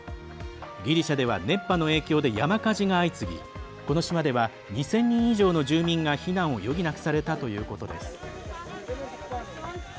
ギリシャでは熱波の影響で山火事が相次ぎこの島では２０００人以上の住民が避難を余儀なくされたということです。